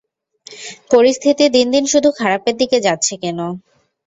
পরিস্থিতি দিনদিন শুধু খারাপের দিকে যাচ্ছে কেন?